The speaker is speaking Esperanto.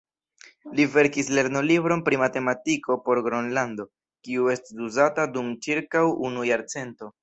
Li verkis lernolibron pri matematiko por Gronlando, kiu estis uzata dum ĉirkaŭ unu jarcento.